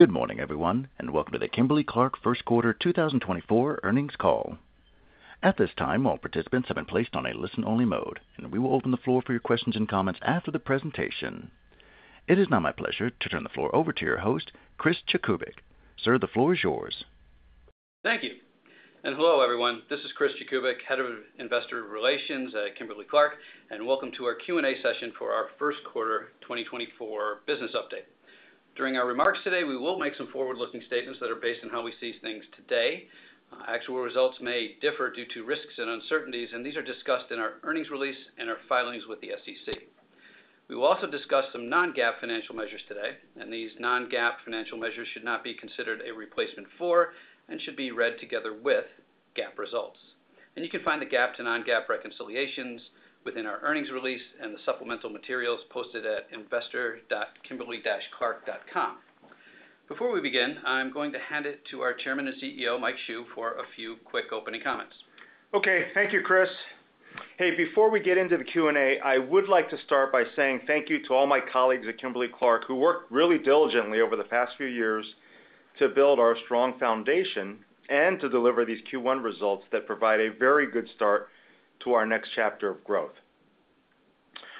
Good morning, everyone, and welcome to the Kimberly-Clark First Quarter 2024 Earnings Call. At this time, all participants have been placed on a listen-only mode, and we will open the floor for your questions and comments after the presentation. It is now my pleasure to turn the floor over to your host, Chris Jakubik. Sir, the floor is yours. Thank you. Hello, everyone. This is Chris Jakubik, Head of Investor Relations at Kimberly-Clark, and welcome to our Q&A session for our First Quarter 2024 Business Update. During our remarks today, we will make some forward-looking statements that are based on how we see things today. Actual results may differ due to risks and uncertainties, and these are discussed in our earnings release and our filings with the SEC. We will also discuss some non-GAAP financial measures today, and these non-GAAP financial measures should not be considered a replacement for and should be read together with GAAP results. You can find the GAAP to non-GAAP reconciliations within our earnings release and the supplemental materials posted at investor.kimberly-clark.com. Before we begin, I'm going to hand it to our Chairman and CEO, Mike Hsu, for a few quick opening comments. Okay. Thank you, Chris. Hey, before we get into the Q&A, I would like to start by saying thank you to all my colleagues at Kimberly-Clark who worked really diligently over the past few years to build our strong foundation and to deliver these Q1 results that provide a very good start to our next chapter of growth.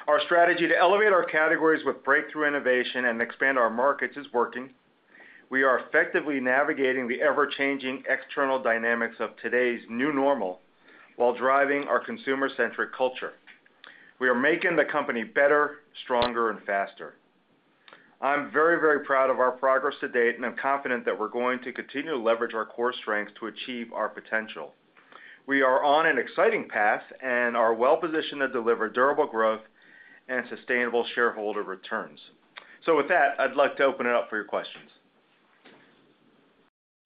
Our strategy to elevate our categories with breakthrough innovation and expand our markets is working. We are effectively navigating the ever-changing external dynamics of today's new normal while driving our consumer-centric culture. We are making the company better, stronger, and faster. I'm very, very proud of our progress to date, and I'm confident that we're going to continue to leverage our core strengths to achieve our potential. We are on an exciting path and are well-positioned to deliver durable growth and sustainable shareholder returns. So with that, I'd like to open it up for your questions.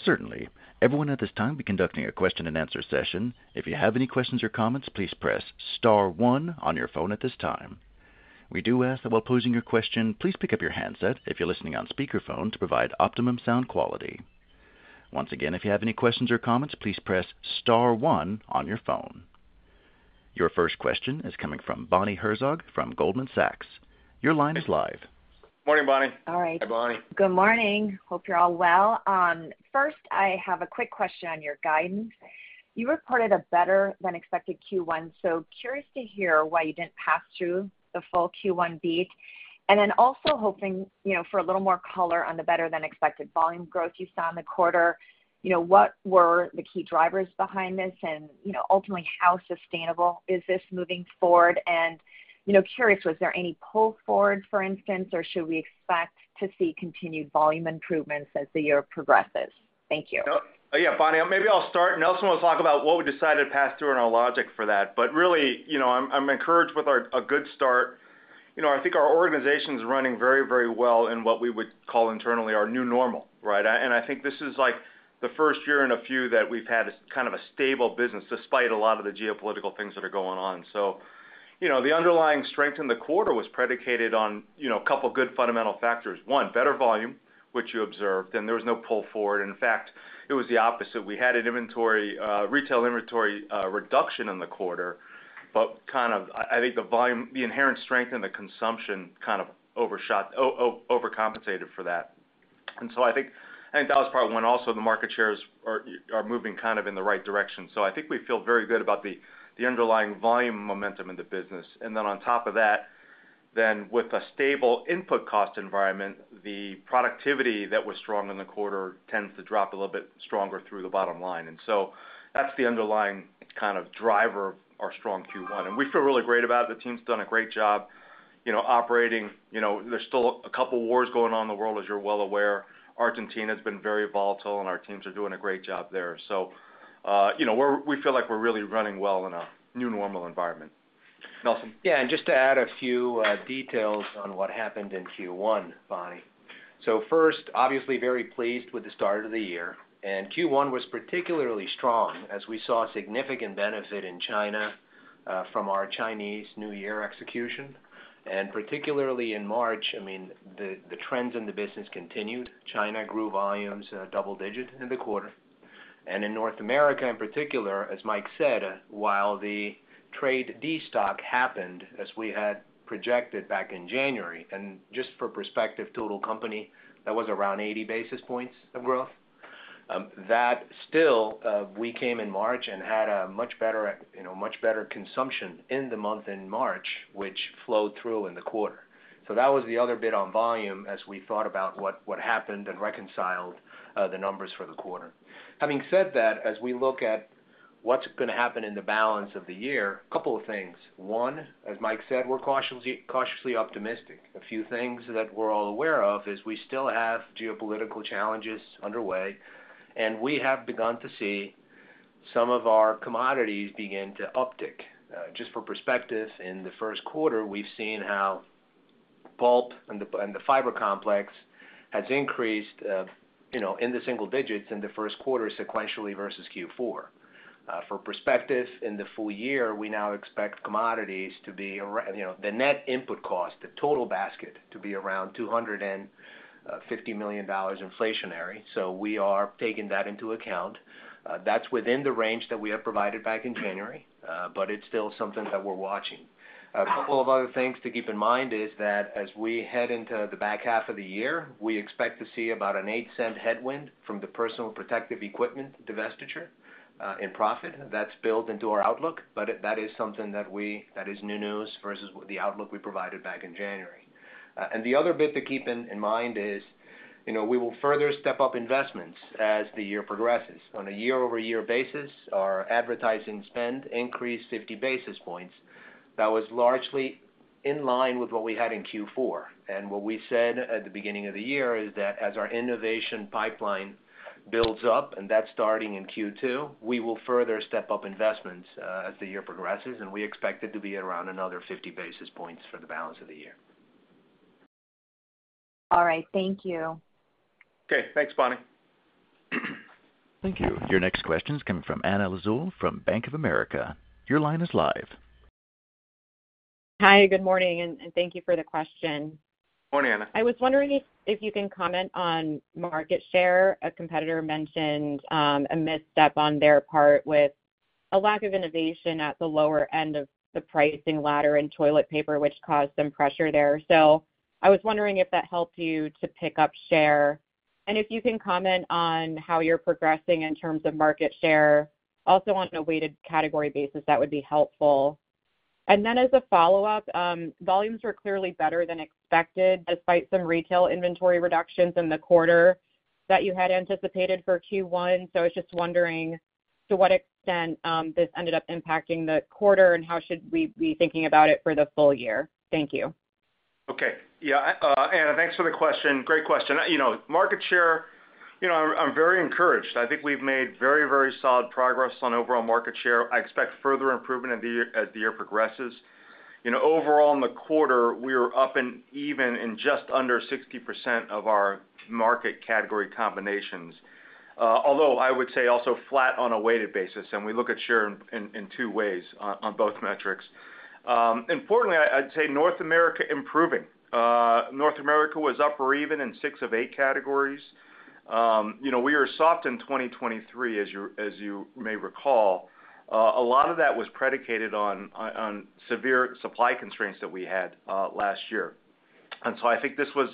Certainly. Everyone at this time, we're conducting a question-and-answer session. If you have any questions or comments, please press star one on your phone at this time. We do ask that while posing your question, please pick up your handset if you're listening on speakerphone to provide optimum sound quality. Once again, if you have any questions or comments, please press star one on your phone. Your first question is coming from Bonnie Herzog from Goldman Sachs. Your line is live. Morning, Bonnie. All right. Hi, Bonnie. Good morning. Hope you're all well. First, I have a quick question on your guidance. You reported a better-than-expected Q1, so curious to hear why you didn't pass through the full Q1 beat, and then also hoping for a little more color on the better-than-expected volume growth you saw in the quarter. What were the key drivers behind this, and ultimately, how sustainable is this moving forward? And curious, was there any pull forward, for instance, or should we expect to see continued volume improvements as the year progresses? Thank you. Yeah, Bonnie, maybe I'll start. Nelson wants to talk about what we decided to pass through and our logic for that. But really, I'm encouraged with a good start. I think our organization is running very, very well in what we would call internally our new normal, right? And I think this is the first year in a few that we've had kind of a stable business despite a lot of the geopolitical things that are going on. So the underlying strength in the quarter was predicated on a couple of good fundamental factors. One, better volume, which you observed, and there was no pull forward. In fact, it was the opposite. We had a retail inventory reduction in the quarter, but kind of I think the inherent strength in the consumption kind of overcompensated for that. And so, I think that was part of when also the market shares are moving kind of in the right direction. So, I think we feel very good about the underlying volume momentum in the business. And then, on top of that, then with a stable input cost environment, the productivity that was strong in the quarter tends to drop a little bit stronger through the bottom line. And so, that's the underlying kind of driver of our strong Q1. And we feel really great about it. The team's done a great job operating. There's still a couple of wars going on in the world, as you're well aware. Argentina's been very volatile, and our teams are doing a great job there. So, we feel like we're really running well in a new normal environment. Nelson? Yeah. And just to add a few details on what happened in Q1, Bonnie. So first, obviously, very pleased with the start of the year. Q1 was particularly strong as we saw significant benefit in China from our Chinese New Year execution. And particularly in March, I mean, the trends in the business continued. China grew volumes double-digit in the quarter. And in North America, in particular, as Mike said, while the trade destock happened as we had projected back in January - and just for perspective, total company, that was around 80 basis points of growth - still, we came in March and had a much better consumption in the month in March, which flowed through in the quarter. So that was the other bit on volume as we thought about what happened and reconciled the numbers for the quarter. Having said that, as we look at what's going to happen in the balance of the year, a couple of things. One, as Mike said, we're cautiously optimistic. A few things that we're all aware of is we still have geopolitical challenges underway, and we have begun to see some of our commodities begin to uptick. Just for perspective, in the first quarter, we've seen how pulp and the fiber complex has increased into single digits in the first quarter sequentially versus Q4. For perspective, in the full year, we now expect commodities to be the net input cost, the total basket, to be around $250 million inflationary. So we are taking that into account. That's within the range that we had provided back in January, but it's still something that we're watching. A couple of other things to keep in mind is that as we head into the back half of the year, we expect to see about a $0.08 headwind from the personal protective equipment divestiture in profit. That's built into our outlook, but that is something that is new news versus the outlook we provided back in January. The other bit to keep in mind is we will further step up investments as the year progresses. On a year-over-year basis, our advertising spend increased 50 basis points. That was largely in line with what we had in Q4. What we said at the beginning of the year is that as our innovation pipeline builds up, and that's starting in Q2, we will further step up investments as the year progresses, and we expect it to be around another 50 basis points for the balance of the year. All right. Thank you. Okay. Thanks, Bonnie. Thank you. Your next question is coming from Anna Lizzul from Bank of America. Your line is live. Hi. Good morning, and thank you for the question. Morning, Anna. I was wondering if you can comment on market share. A competitor mentioned a misstep on their part with a lack of innovation at the lower end of the pricing ladder in toilet paper, which caused some pressure there. So I was wondering if that helped you to pick up share, and if you can comment on how you're progressing in terms of market share. Also, on a weighted category basis, that would be helpful. And then as a follow-up, volumes were clearly better than expected despite some retail inventory reductions in the quarter that you had anticipated for Q1. So I was just wondering to what extent this ended up impacting the quarter, and how should we be thinking about it for the full year? Thank you. Okay. Yeah, Anna, thanks for the question. Great question. Market share, I'm very encouraged. I think we've made very, very solid progress on overall market share. I expect further improvement as the year progresses. Overall, in the quarter, we were up and even in just under 60% of our market category combinations, although I would say also flat on a weighted basis. We look at share in two ways on both metrics. Importantly, I'd say North America improving. North America was up or even in six of eight categories. We were soft in 2023, as you may recall. A lot of that was predicated on severe supply constraints that we had last year. And so I think this was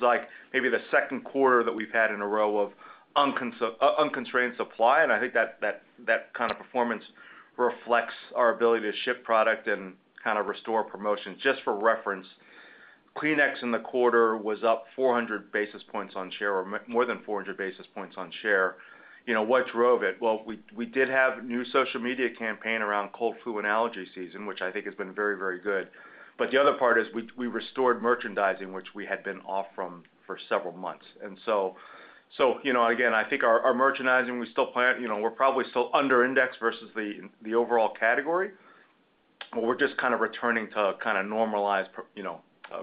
maybe the second quarter that we've had in a row of unconstrained supply, and I think that kind of performance reflects our ability to ship product and kind of restore promotions. Just for reference, Kleenex in the quarter was up 400 basis points on share or more than 400 basis points on share. What drove it? Well, we did have a new social media campaign around cold, flu, and allergy season, which I think has been very, very good. But the other part is we restored merchandising, which we had been off from for several months. And so again, I think our merchandising; we still plan, we're probably still underindexed versus the overall category, but we're just kind of returning to kind of normalized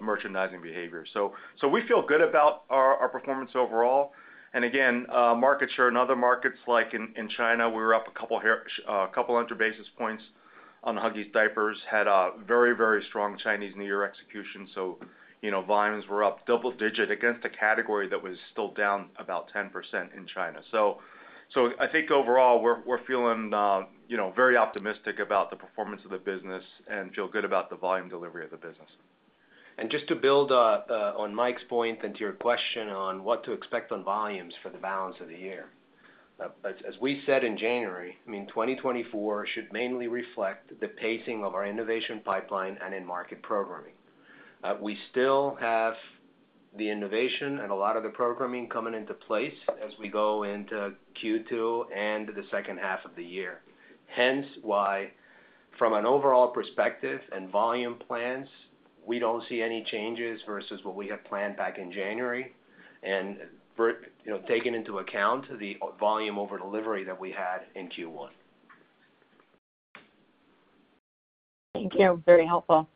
merchandising behavior. So we feel good about our performance overall. And again, market share in other markets like in China, we were up 200 basis points on Huggies Diapers, had a very, very strong Chinese New Year execution. So volumes were up double-digit against a category that was still down about 10% in China. So I think overall, we're feeling very optimistic about the performance of the business and feel good about the volume delivery of the business. Just to build on Mike's point and to your question on what to expect on volumes for the balance of the year, as we said in January, I mean, 2024 should mainly reflect the pacing of our innovation pipeline and in-market programming. We still have the innovation and a lot of the programming coming into place as we go into Q2 and the second half of the year. Hence why, from an overall perspective and volume plans, we don't see any changes versus what we had planned back in January and taken into account the volume over delivery that we had in Q1. Thank you. Very helpful.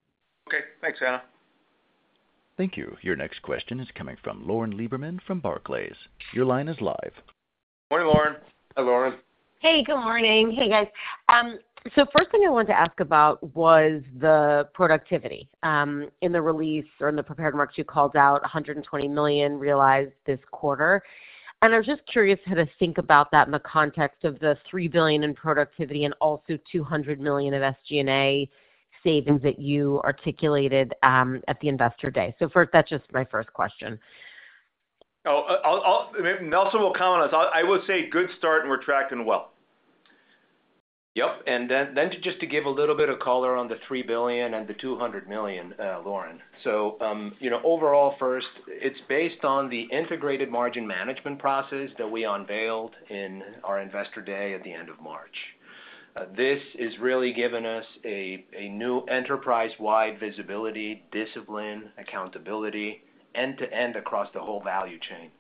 Okay. Thanks, Anna. Thank you. Your next question is coming from Lauren Lieberman from Barclays. Your line is live. Morning, Lauren. Hi, Lauren. Hey. Good morning. Hey, guys. So first thing I wanted to ask about was the productivity in the release or in the prepared markets you called out, $120 million realized this quarter. I was just curious how to think about that in the context of the $3 billion in productivity and also $200 million of SG&A savings that you articulated at the Investor day. That's just my first question. Nelson will comment on this. I would say good start, and we're tracking well. Yep. And then just to give a little bit of color on the $3 billion and the $200 million, Lauren. So overall, first, it's based on the integrated margin management process that we unveiled in our investor day at the end of March. This is really giving us a new enterprise-wide visibility, discipline, accountability, end-to-end across the whole value chain.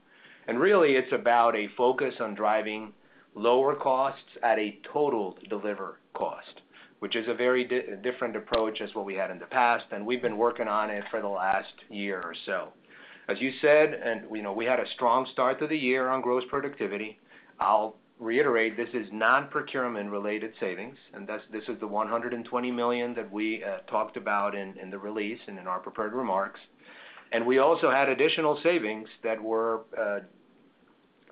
And really, it's about a focus on driving lower costs at a total delivered cost, which is a very different approach as what we had in the past, and we've been working on it for the last year or so. As you said, we had a strong start to the year on gross productivity. I'll reiterate, this is non-procurement-related savings, and this is the $120 million that we talked about in the release and in our prepared remarks. We also had additional savings that were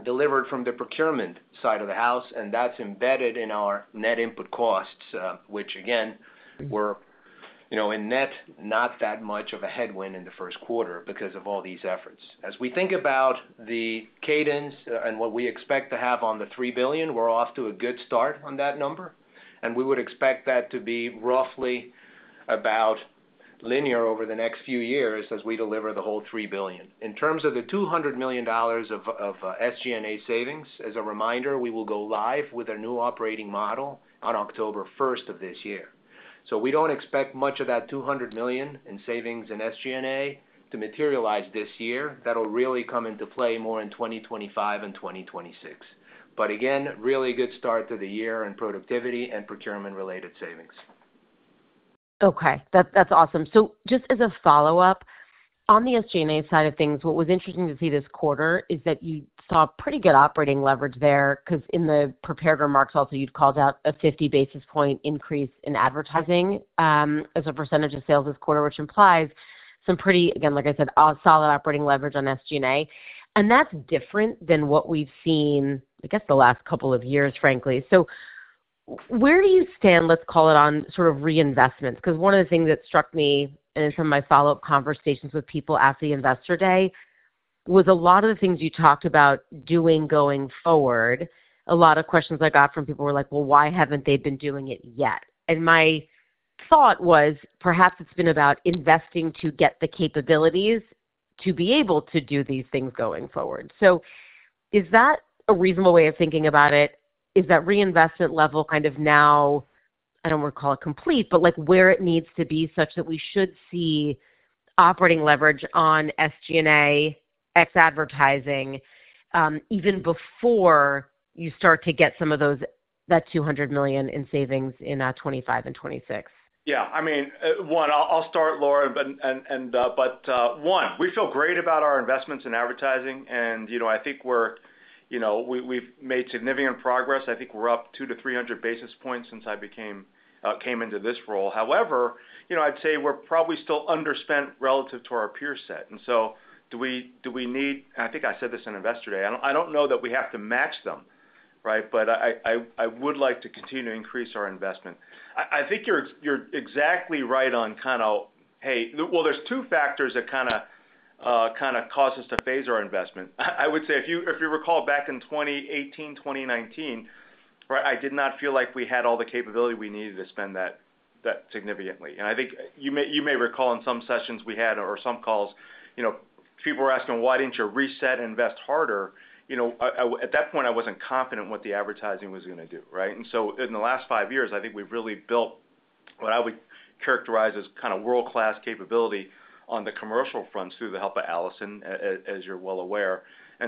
delivered from the procurement side of the house, and that's embedded in our net input costs, which again, were, in net, not that much of a headwind in the first quarter because of all these efforts. As we think about the cadence and what we expect to have on the $3 billion, we're off to a good start on that number, and we would expect that to be roughly about linear over the next few years as we deliver the whole $3 billion. In terms of the $200 million of SG&A savings, as a reminder, we will go live with our new operating model on October 1st of this year. So we don't expect much of that $200 million in savings in SG&A to materialize this year. That'll really come into play more in 2025 and 2026. But again, really good start to the year in productivity and procurement-related savings. Okay. That's awesome. So just as a follow-up, on the SG&A side of things, what was interesting to see this quarter is that you saw pretty good operating leverage there because in the prepared remarks also, you'd called out a 50-basis-point increase in advertising as a percentage of sales this quarter, which implies some pretty, again, like I said, solid operating leverage on SG&A. And that's different than what we've seen, I guess, the last couple of years, frankly. So where do you stand, let's call it, on sort of reinvestments? Because one of the things that struck me in some of my follow-up conversations with people after the investor day was a lot of the things you talked about doing going forward, a lot of questions I got from people were like, "Well, why haven't they been doing it yet?" And my thought was perhaps it's been about investing to get the capabilities to be able to do these things going forward. So is that a reasonable way of thinking about it? Is that reinvestment level kind of now, I don't want to call it complete, but where it needs to be such that we should see operating leverage on SG&A ex-advertising even before you start to get that $200 million in savings in 2025 and 2026? Yeah. I mean, one, I'll start, Lauren, but one, we feel great about our investments in advertising, and I think we've made significant progress. I think we're up 200-300 basis points since I came into this role. However, I'd say we're probably still underspent relative to our peer set. And so do we need, and I think I said this in Investor Day. I don't know that we have to match them, right? But I would like to continue to increase our investment. I think you're exactly right on kind of, "Hey, well, there's two factors that kind of cause us to phase our investment." I would say if you recall back in 2018, 2019, right, I did not feel like we had all the capability we needed to spend that significantly. I think you may recall in some sessions we had or some calls, people were asking, "Why didn't you reset and invest harder?" At that point, I wasn't confident what the advertising was going to do, right? So in the last 5 years, I think we've really built what I would characterize as kind of world-class capability on the commercial fronts through the help of Alison, as you're well aware.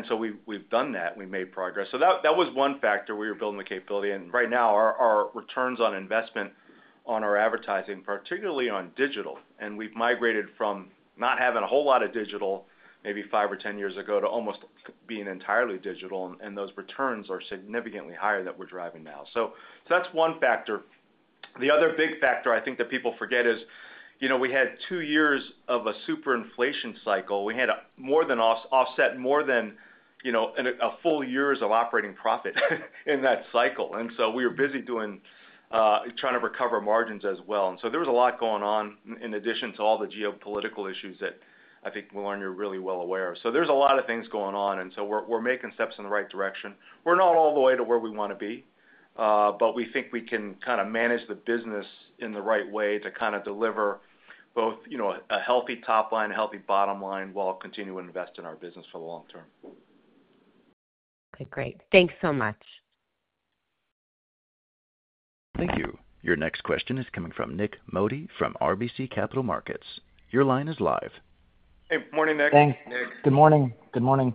So we've done that. We made progress. That was one factor. We were building the capability. Right now, our returns on investment on our advertising, particularly on digital, and we've migrated from not having a whole lot of digital maybe 5 or 10 years ago to almost being entirely digital, and those returns are significantly higher than we're driving now. That's one factor. The other big factor I think that people forget is we had two years of a superinflation cycle. We had more than offset more than a full year's of operating profit in that cycle. And so we were busy trying to recover margins as well. And so there was a lot going on in addition to all the geopolitical issues that I think, Lauren, you're really well aware of. So there's a lot of things going on, and so we're making steps in the right direction. We're not all the way to where we want to be, but we think we can kind of manage the business in the right way to kind of deliver both a healthy top line, a healthy bottom line while continuing to invest in our business for the long term. Okay. Great. Thanks so much. Thank you. Your next question is coming from Nik Modi from RBC Capital Markets. Your line is live. Hey. Morning, Nick. Thanks. Good morning. Good morning.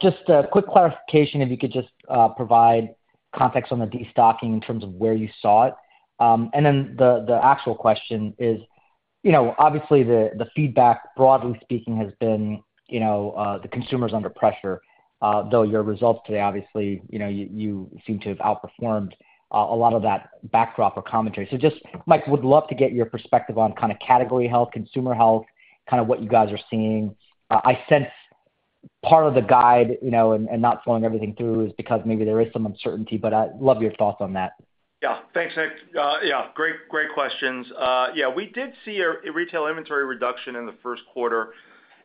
Just a quick clarification if you could just provide context on the destocking in terms of where you saw it. And then the actual question is, obviously, the feedback, broadly speaking, has been the consumer's under pressure, though your results today, obviously, you seem to have outperformed a lot of that backdrop or commentary. So just, Mike, would love to get your perspective on kind of category health, consumer health, kind of what you guys are seeing. I sense part of the guide and not flowing everything through is because maybe there is some uncertainty, but I'd love your thoughts on that. Yeah. Thanks, Nick. Yeah. Great questions. Yeah. We did see a retail inventory reduction in the first quarter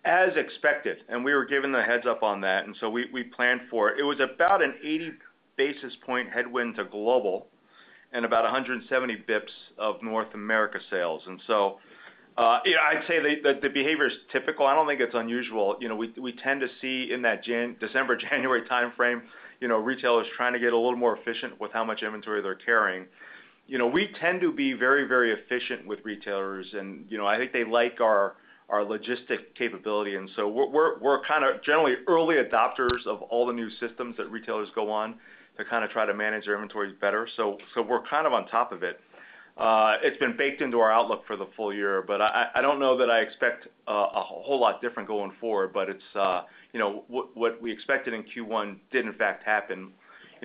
as expected, and we were given the heads-up on that, and so we planned for it. It was about an 80 basis point headwind to global and about 170 bips of North America sales. And so I'd say that the behavior is typical. I don't think it's unusual. We tend to see in that December, January timeframe, retailers trying to get a little more efficient with how much inventory they're carrying. We tend to be very, very efficient with retailers, and I think they like our logistic capability. And so we're kind of generally early adopters of all the new systems that retailers go on to kind of try to manage their inventories better. So we're kind of on top of it. It's been baked into our outlook for the full year, but I don't know that I expect a whole lot different going forward, but what we expected in Q1 did, in fact, happen.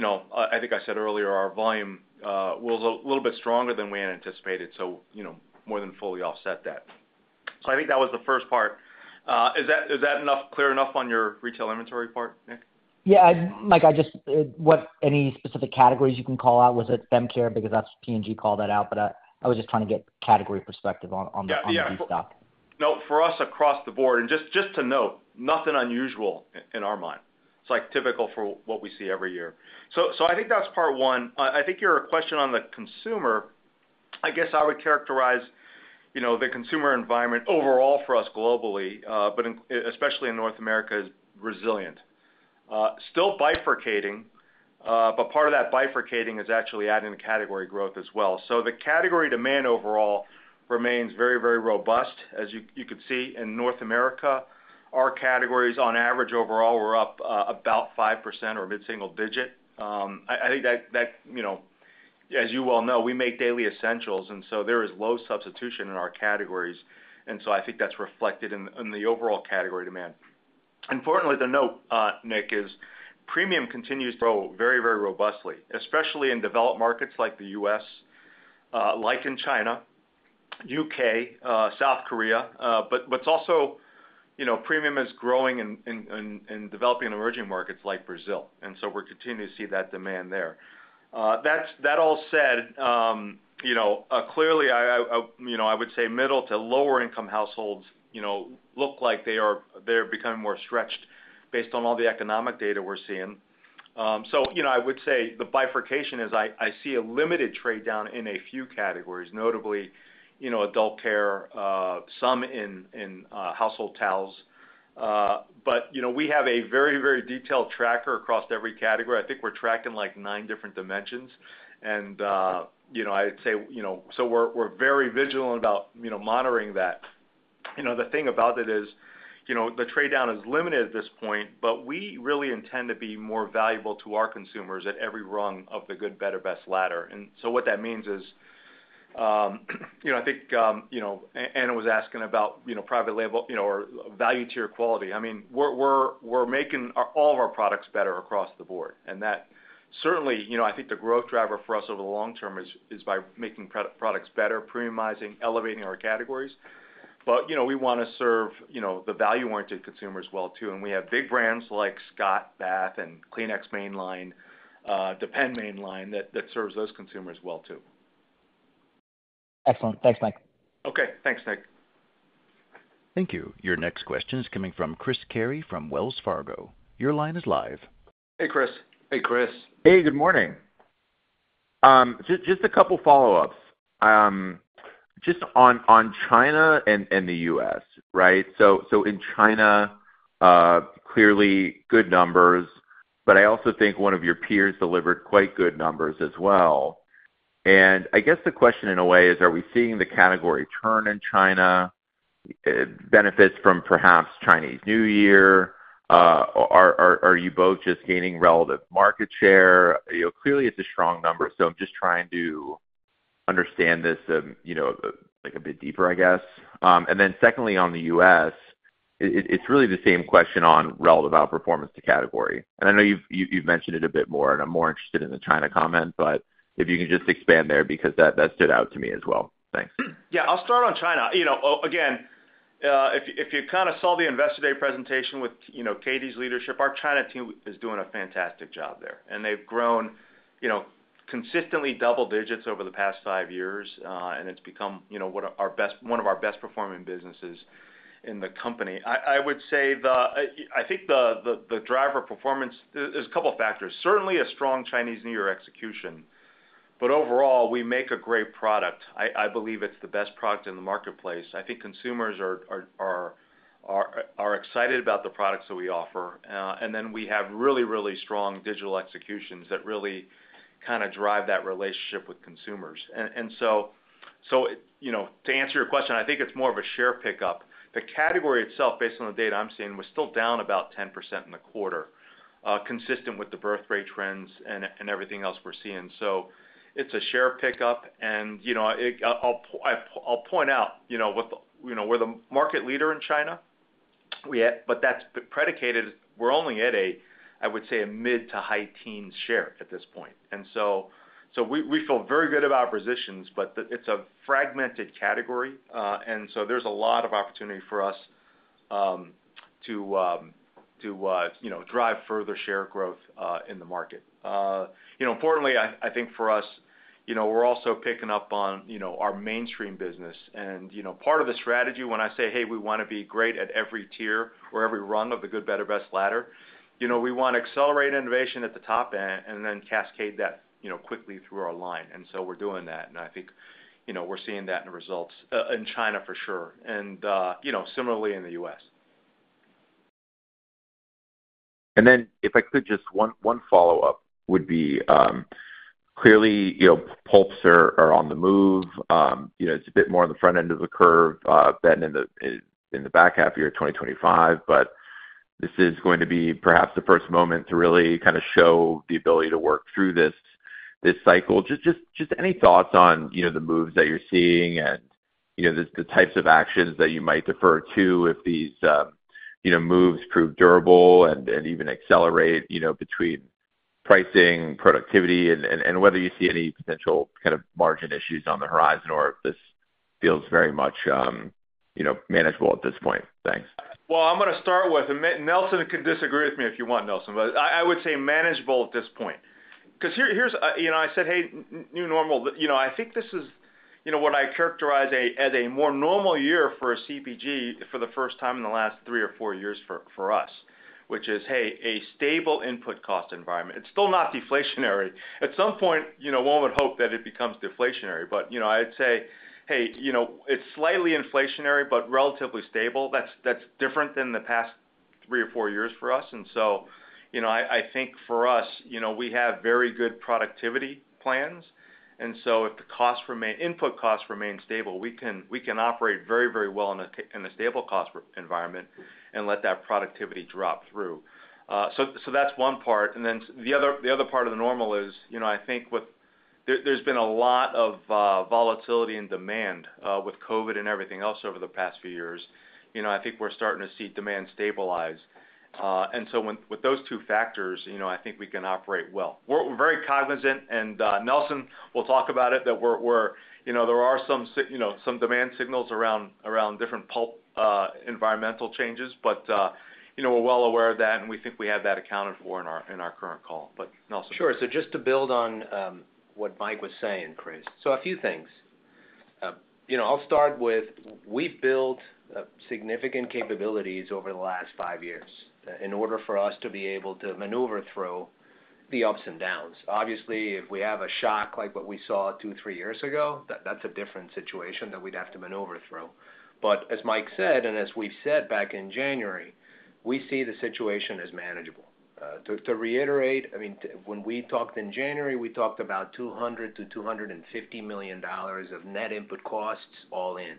I think I said earlier our volume was a little bit stronger than we had anticipated, so more than fully offset that. So I think that was the first part. Is that clear enough on your retail inventory part, Nick? Yeah. Mike, what any specific categories you can call out? Was it FemCare? Because that's P&G called that out, but I was just trying to get category perspective on the destock. Yeah. Yeah. No, for us across the board and just to note, nothing unusual in our mind. It's typical for what we see every year. So I think that's part one. I think your question on the consumer, I guess I would characterize the consumer environment overall for us globally, but especially in North America, as resilient, still bifurcating, but part of that bifurcating is actually adding category growth as well. So the category demand overall remains very, very robust, as you could see. In North America, our categories, on average, overall, were up about 5% or mid-single digit. I think that, as you well know, we make daily essentials, and so there is low substitution in our categories. And so I think that's reflected in the overall category demand. Unfortunately, the note, Nick, is premium continues to grow very, very robustly, especially in developed markets like the U.S., like in China, U.K., South Korea, but also premium is growing and developing in emerging markets like Brazil. So we're continuing to see that demand there. That all said, clearly, I would say middle- to lower-income households look like they're becoming more stretched based on all the economic data we're seeing. So I would say the bifurcation is I see a limited trade down in a few categories, notably adult care, some in household towels. But we have a very, very detailed tracker across every category. I think we're tracking nine different dimensions, and I'd say, so we're very vigilant about monitoring that. The thing about it is the trade down is limited at this point, but we really intend to be more valuable to our consumers at every rung of the good, better, best ladder. And so what that means is I think Anna was asking about private label or value-tier quality. I mean, we're making all of our products better across the board, and that certainly, I think the growth driver for us over the long term is by making products better, premiumizing, elevating our categories. But we want to serve the value-oriented consumers well too, and we have big brands like Scott Bath, and Kleenex mainline, Depend mainline that serves those consumers well too. Excellent. Thanks, Mike. Okay. Thanks, Nick. Thank you. Your next question is coming from Chris Carey from Wells Fargo. Your line is live. Hey, Chris. Hey, Chris. Hey. Good morning. Just a couple follow-ups just on China and the U.S., right? So in China, clearly good numbers, but I also think one of your peers delivered quite good numbers as well. And I guess the question, in a way, is are we seeing the category turn in China, benefits from perhaps Chinese New Year? Are you both just gaining relative market share? Clearly, it's a strong number, so I'm just trying to understand this a bit deeper, I guess. And then secondly, on the U.S., it's really the same question on relative outperformance to category. And I know you've mentioned it a bit more, and I'm more interested in the China comment, but if you can just expand there because that stood out to me as well. Thanks. Yeah. I'll start on China. Again, if you kind of saw the investor day presentation with Katie's leadership, our China team is doing a fantastic job there, and they've grown consistently double digits over the past five years, and it's become one of our best-performing businesses in the company. I would say I think the driver of performance there's a couple of factors. Certainly, a strong Chinese New Year execution, but overall, we make a great product. I believe it's the best product in the marketplace. I think consumers are excited about the products that we offer, and then we have really, really strong digital executions that really kind of drive that relationship with consumers. And so to answer your question, I think it's more of a share pickup. The category itself, based on the data I'm seeing, was still down about 10% in the quarter, consistent with the birthrate trends and everything else we're seeing. So it's a share pickup, and I'll point out we're the market leader in China, but that's predicated we're only at a, I would say, a mid to high teens share at this point. And so we feel very good about our positions, but it's a fragmented category, and so there's a lot of opportunity for us to drive further share growth in the market. Importantly, I think for us, we're also picking up on our mainstream business. And part of the strategy, when I say, "Hey, we want to be great at every tier or every rung of the good, better, best ladder," we want to accelerate innovation at the top end and then cascade that quickly through our line. And so we're doing that, and I think we're seeing that in the results in China, for sure, and similarly in the US. If I could, just one follow-up would be, clearly, pulps are on the move. It's a bit more on the front end of the curve than in the back half of year 2025, but this is going to be perhaps the first moment to really kind of show the ability to work through this cycle. Just any thoughts on the moves that you're seeing and the types of actions that you might defer to if these moves prove durable and even accelerate between pricing, productivity, and whether you see any potential kind of margin issues on the horizon or if this feels very much manageable at this point? Thanks. Well, I'm going to start with Nelson could disagree with me if you want, Nelson, but I would say manageable at this point because here's I said, "Hey, new normal." I think this is what I characterize as a more normal year for a CPG for the first time in the last three or four years for us, which is, "Hey, a stable input cost environment." It's still not deflationary. At some point, one would hope that it becomes deflationary, but I'd say, "Hey, it's slightly inflationary but relatively stable." That's different than the past three or four years for us. And so I think for us, we have very good productivity plans, and so if the input costs remain stable, we can operate very, very well in a stable cost environment and let that productivity drop through. So that's one part. And then the other part of the normal is I think there's been a lot of volatility in demand with COVID and everything else over the past few years. I think we're starting to see demand stabilize. And so with those two factors, I think we can operate well. We're very cognizant, and Nelson, we'll talk about it, that there are some demand signals around different environmental changes, but we're well aware of that, and we think we have that accounted for in our current call. But Nelson. Sure. So just to build on what Mike was saying, Chris, so a few things. I'll start with we've built significant capabilities over the last five years in order for us to be able to maneuver through the ups and downs. Obviously, if we have a shock like what we saw two, three years ago, that's a different situation that we'd have to maneuver through. But as Mike said and as we've said back in January, we see the situation as manageable. To reiterate, I mean, when we talked in January, we talked about $200-$250 million of net input costs all in.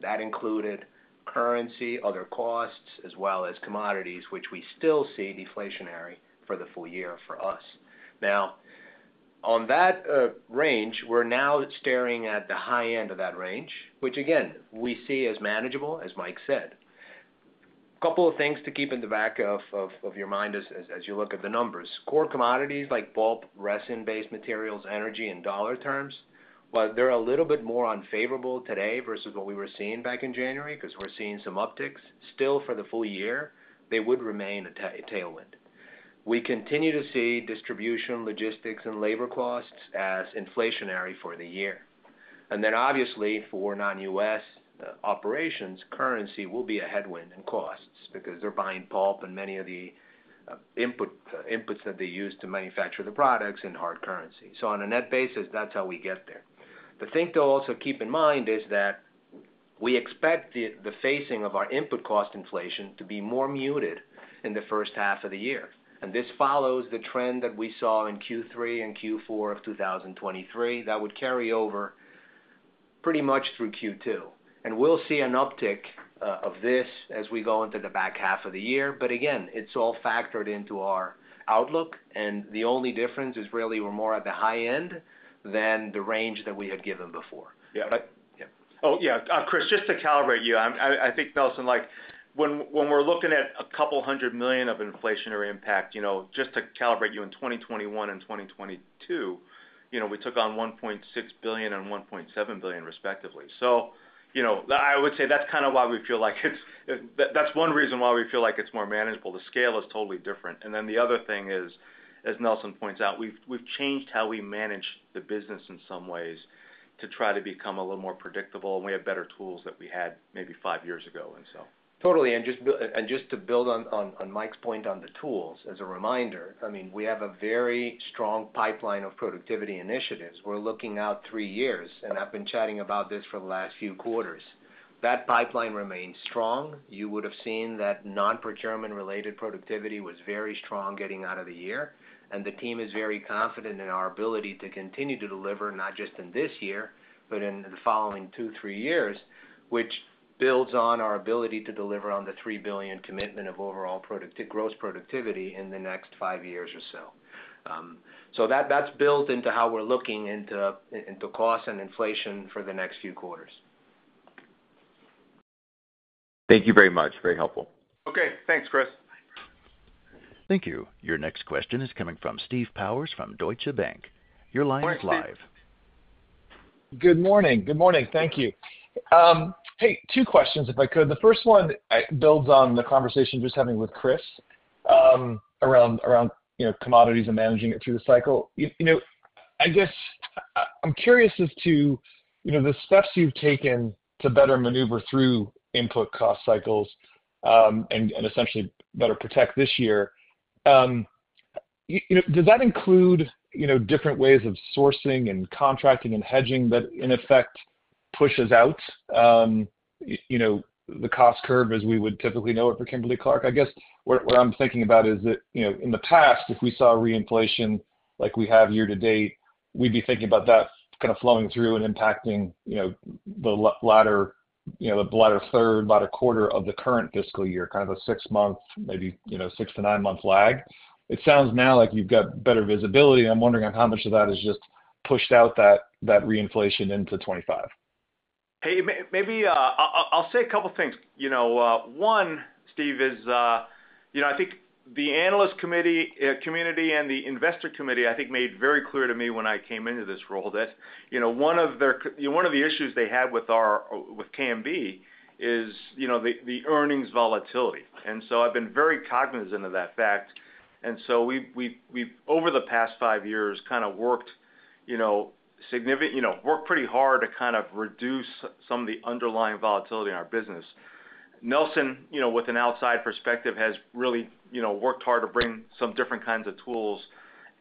That included currency, other costs, as well as commodities, which we still see deflationary for the full year for us. Now, on that range, we're now staring at the high end of that range, which, again, we see as manageable, as Mike said. A couple of things to keep in the back of your mind as you look at the numbers. Core commodities like bulk, resin-based materials, energy, in dollar terms, while they're a little bit more unfavorable today versus what we were seeing back in January because we're seeing some upticks, still for the full year, they would remain a tailwind. We continue to see distribution, logistics, and labor costs as inflationary for the year. And then, obviously, for non-U.S. operations, currency will be a headwind in costs because they're buying pulp and many of the inputs that they use to manufacture the products in hard currency. So on a net basis, that's how we get there. The thing, though, also keep in mind is that we expect the phasing of our input cost inflation to be more muted in the first half of the year, and this follows the trend that we saw in Q3 and Q4 of 2023 that would carry over pretty much through Q2. And we'll see an uptick of this as we go into the back half of the year, but again, it's all factored into our outlook, and the only difference is really we're more at the high end than the range that we had given before. Yeah. Oh, yeah. Chris, just to calibrate you, I think, Nelson, when we're looking at $200 million of inflationary impact, just to calibrate you, in 2021 and 2022, we took on $1.6 billion and $1.7 billion, respectively. So I would say that's kind of why we feel like it's one reason why we feel like it's more manageable. The scale is totally different. And then the other thing is, as Nelson points out, we've changed how we manage the business in some ways to try to become a little more predictable, and we have better tools than we had maybe five years ago, and so. Totally. And just to build on Mike's point on the tools, as a reminder, I mean, we have a very strong pipeline of productivity initiatives. We're looking out 3 years, and I've been chatting about this for the last few quarters. That pipeline remains strong. You would have seen that non-procurement-related productivity was very strong getting out of the year, and the team is very confident in our ability to continue to deliver not just in this year but in the following 2, 3 years, which builds on our ability to deliver on the $3 billion commitment of overall gross productivity in the next 5 years or so. So that's built into how we're looking into costs and inflation for the next few quarters. Thank you very much. Very helpful. Okay. Thanks, Chris. Thank you. Your next question is coming from Steve Powers from Deutsche Bank. Your line is live. Good morning. Good morning. Thank you. Hey, 2 questions, if I could. The first one builds on the conversation just having with Chris around commodities and managing it through the cycle. I guess I'm curious as to the steps you've taken to better maneuver through input cost cycles and essentially better protect this year. Does that include different ways of sourcing and contracting and hedging that, in effect, pushes out the cost curve as we would typically know it for Kimberly-Clark? I guess what I'm thinking about is that in the past, if we saw reinflation like we have year to date, we'd be thinking about that kind of flowing through and impacting the latter third, latter quarter of the current fiscal year, kind of a 6-month, maybe 6- to 9-month lag. It sounds now like you've got better visibility, and I'm wondering on how much of that has just pushed out that reinflation into 2025. Hey, maybe I'll say a couple of things. One, Steve, is I think the analyst community and the investor committee, I think, made very clear to me when I came into this role that one of the issues they had with KMB is the earnings volatility. I've been very cognizant of that fact. We've, over the past five years, kind of worked pretty hard to kind of reduce some of the underlying volatility in our business. Nelson, with an outside perspective, has really worked hard to bring some different kinds of tools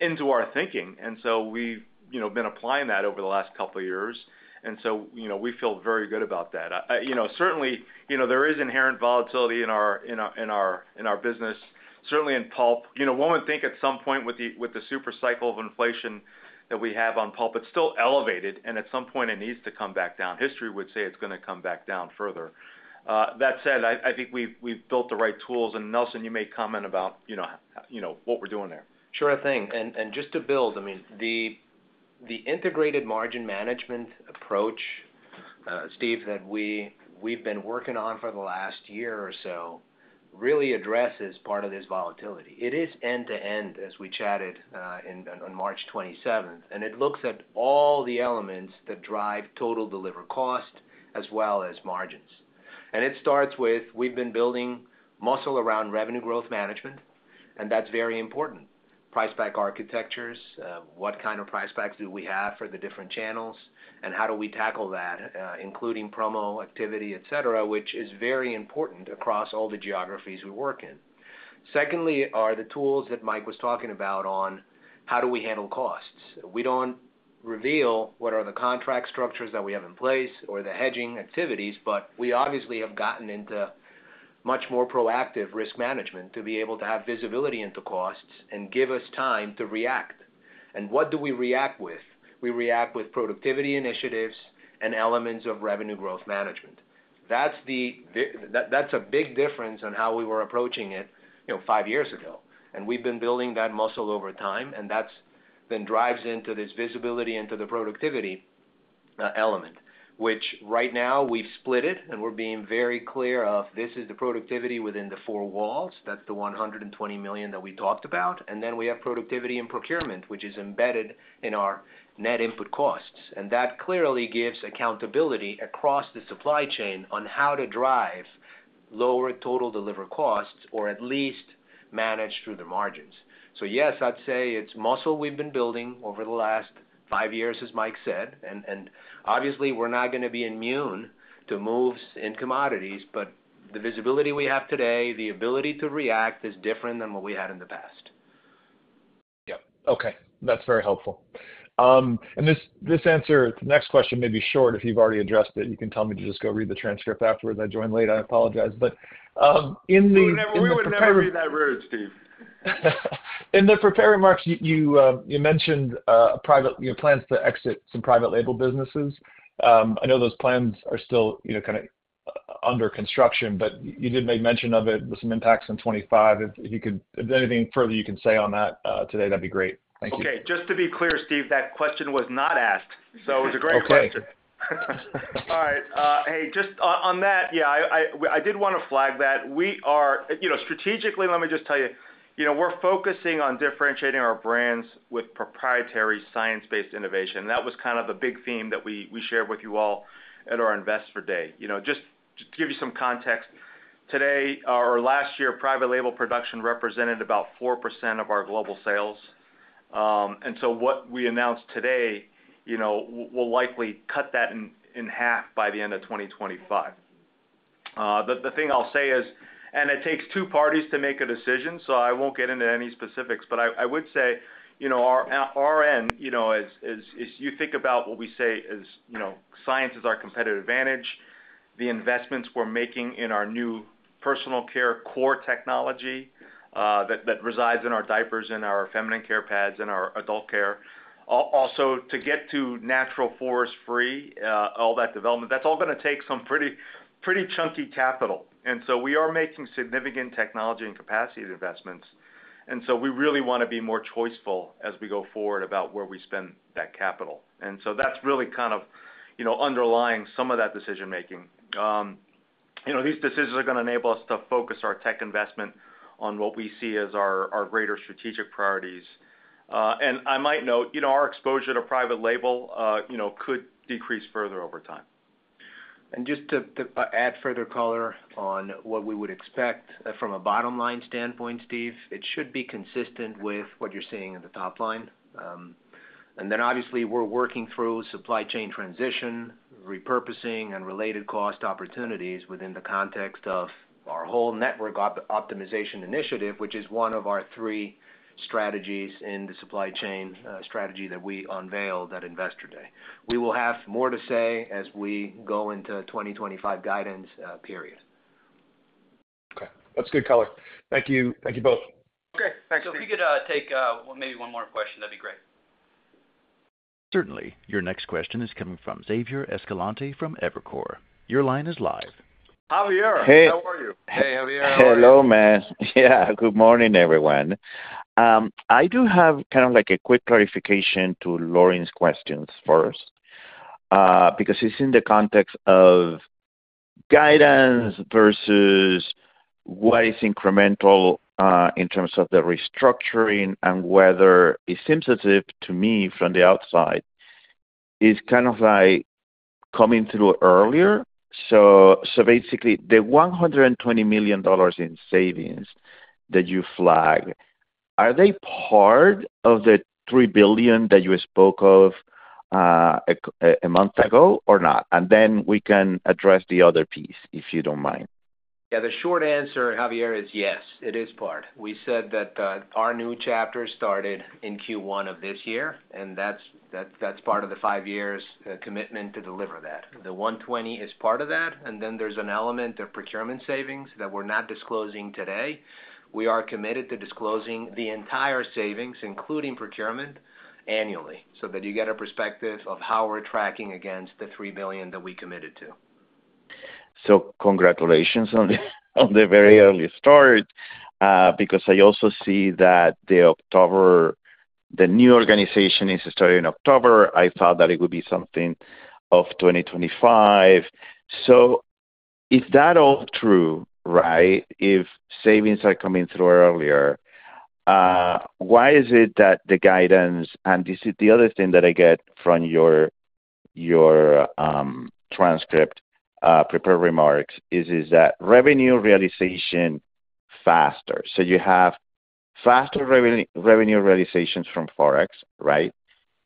into our thinking, and so we've been applying that over the last couple of years, and so we feel very good about that. Certainly, there is inherent volatility in our business, certainly in pulp. One would think at some point with the super cycle of inflation that we have on pulp, it's still elevated, and at some point, it needs to come back down. History would say it's going to come back down further. That said, I think we've built the right tools, and Nelson, you may comment about what we're doing there. Sure thing. And just to build, I mean, the integrated margin management approach, Steve, that we've been working on for the last year or so really addresses part of this volatility. It is end-to-end, as we chatted on March 27th, and it looks at all the elements that drive total delivered cost as well as margins. And it starts with we've been building muscle around revenue growth management, and that's very important. Price pack architectures, what kind of price packs do we have for the different channels, and how do we tackle that, including promo activity, etc., which is very important across all the geographies we work in. Secondly are the tools that Mike was talking about on how do we handle costs. We don't reveal what are the contract structures that we have in place or the hedging activities, but we obviously have gotten into much more proactive risk management to be able to have visibility into costs and give us time to react. And what do we react with? We react with productivity initiatives and elements of revenue growth management. That's a big difference on how we were approaching it five years ago, and we've been building that muscle over time, and that then drives into this visibility into the productivity element, which right now, we've split it, and we're being very clear of this is the productivity within the four walls. That's the $120 million that we talked about, and then we have productivity in procurement, which is embedded in our net input costs. That clearly gives accountability across the supply chain on how to drive lower total delivered costs or at least manage through the margins. So yes, I'd say it's muscle we've been building over the last five years, as Mike said, and obviously, we're not going to be immune to moves in commodities, but the visibility we have today, the ability to react, is different than what we had in the past. Yep. Okay. That's very helpful. This answer to the next question may be short. If you've already addressed it, you can tell me to just go read the transcript afterwards. I joined late. I apologize. But in the. We were never going to read that road, Steve. In the prepared remarks, you mentioned plans to exit some private label businesses. I know those plans are still kind of under construction, but you did maybe mention of it with some impacts in 2025. If there's anything further you can say on that today, that'd be great. Thank you. Okay. Just to be clear, Steve, that question was not asked, so it was a great question. All right. Hey, just on that, yeah, I did want to flag that we are strategically, let me just tell you, we're focusing on differentiating our brands with proprietary science-based innovation. That was kind of the big theme that we shared with you all at our Investor Day. Just to give you some context, today or last year, private label production represented about 4% of our global sales, and so what we announced today will likely cut that in half by the end of 2025. The thing I'll say is, and it takes two parties to make a decision, so I won't get into any specifics, but I would say our end, as you think about what we say as science is our competitive advantage. The investments we're making in our new personal care core technology that resides in our diapers, in our feminine care pads, in our adult care, also to get to natural forest-free, all that development, that's all going to take some pretty chunky capital. And so we are making significant technology and capacity investments, and so we really want to be more choiceful as we go forward about where we spend that capital. And so that's really kind of underlying some of that decision-making. These decisions are going to enable us to focus our tech investment on what we see as our greater strategic priorities. And I might note our exposure to private label could decrease further over time. Just to add further color on what we would expect from a bottom-line standpoint, Steve, it should be consistent with what you're seeing in the top line. And then, obviously, we're working through supply chain transition, repurposing, and related cost opportunities within the context of our whole network optimization initiative, which is one of our three strategies in the supply chain strategy that we unveiled at Investor Day. We will have more to say as we go into 2025 guidance period. Okay. That's good color. Thank you both. Okay. Thanks, Steve. If we could take maybe one more question, that'd be great. Certainly. Your next question is coming from Javier Escalante from Evercore. Your line is live. Javier. Hey. How are you? Hey, Javier. Hello, man. Yeah. Good morning, everyone. I do have kind of a quick clarification to Lauren's questions first because it's in the context of guidance versus what is incremental in terms of the restructuring and whether it seems as if, to me, from the outside, it's kind of coming through earlier. So basically, the $120 million in savings that you flag, are they part of the $3 billion that you spoke of a month ago or not? And then we can address the other piece if you don't mind. Yeah. The short answer, Javier, is yes. It is part. We said that our new chapter started in Q1 of this year, and that's part of the five years commitment to deliver that. The $120 is part of that, and then there's an element of procurement savings that we're not disclosing today. We are committed to disclosing the entire savings, including procurement, annually so that you get a perspective of how we're tracking against the $3 billion that we committed to. So congratulations on the very early start because I also see that the new organization is starting in October. I thought that it would be something of 2025. So if that all true, right, if savings are coming through earlier, why is it that the guidance and this is the other thing that I get from your transcript, prepare remarks, is that revenue realization faster. So you have faster revenue realizations from Forex, right?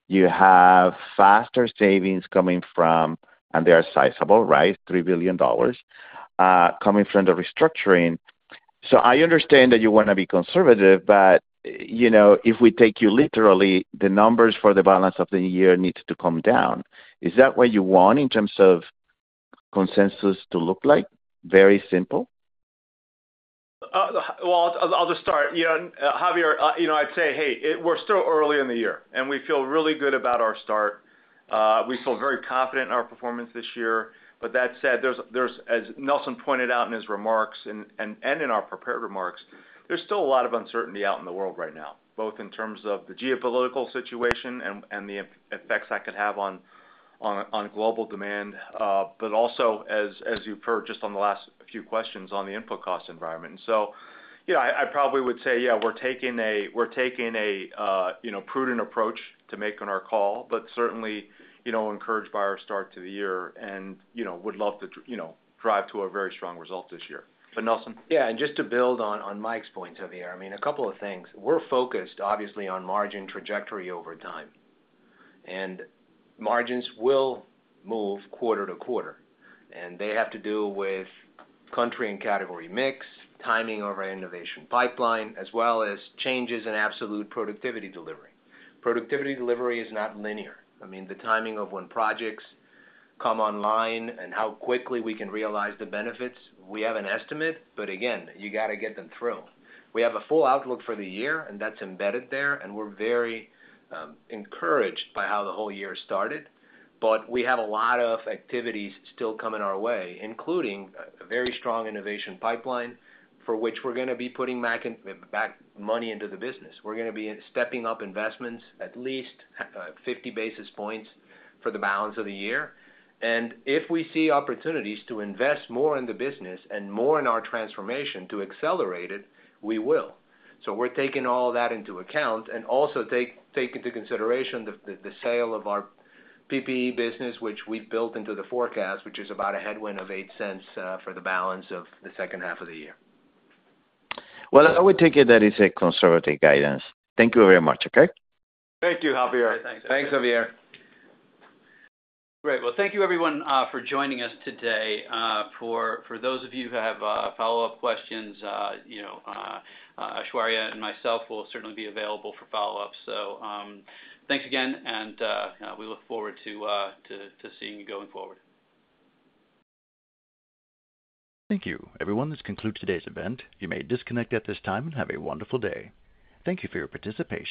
You have faster savings coming from and they are sizable, right, $3 billion, coming from the restructuring. So I understand that you want to be conservative, but if we take you literally, the numbers for the balance of the year need to come down. Is that what you want in terms of consensus to look like? Very simple. Well, I'll just start. Javier, I'd say, hey, we're still early in the year, and we feel really good about our start. We feel very confident in our performance this year. But that said, as Nelson pointed out in his remarks and in our prepared remarks, there's still a lot of uncertainty out in the world right now, both in terms of the geopolitical situation and the effects that could have on global demand, but also, as you've heard just on the last few questions, on the input cost environment. And so I probably would say, yeah, we're taking a prudent approach to making our call, but certainly encouraged by our start to the year and would love to drive to a very strong result this year. But Nelson? Yeah. And just to build on Mike's points, Javier, I mean, a couple of things. We're focused, obviously, on margin trajectory over time, and margins will move quarter to quarter, and they have to do with country and category mix, timing of our innovation pipeline, as well as changes in absolute productivity delivery. Productivity delivery is not linear. I mean, the timing of when projects come online and how quickly we can realize the benefits, we have an estimate, but again, you got to get them through. We have a full outlook for the year, and that's embedded there, and we're very encouraged by how the whole year started, but we have a lot of activities still coming our way, including a very strong innovation pipeline for which we're going to be putting back money into the business. We're going to be stepping up investments at least 50 basis points for the balance of the year. If we see opportunities to invest more in the business and more in our transformation to accelerate it, we will. We're taking all of that into account and also taking into consideration the sale of our PPE business, which we've built into the forecast, which is about a headwind of $0.08 for the balance of the second half of the year. Well, I would take it that it's a conservative guidance. Thank you very much. Okay? Thank you, Javier. Thanks, Javier. Great. Well, thank you, everyone, for joining us today. For those of you who have follow-up questions, Aishwarya and myself will certainly be available for follow-ups. Thanks again, and we look forward to seeing you going forward. Thank you. Everyone, this concludes today's event. You may disconnect at this time and have a wonderful day. Thank you for your participation.